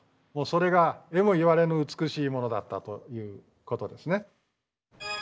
それがえもいわれぬ美しいものだったということですね。